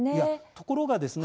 ところがですね